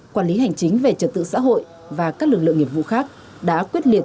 quản lý hành chính về trật tự xã hội và các lực lượng nghiệp vụ khác đã quyết liệt